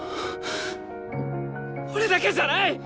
俺だけじゃない！